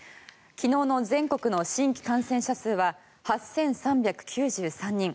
昨日の新規感染者数は８３９３人。